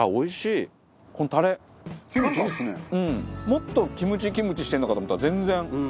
もっとキムチキムチしてるのかと思ったら全然。